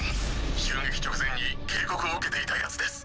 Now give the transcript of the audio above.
襲撃直前に警告を受けていたやつです。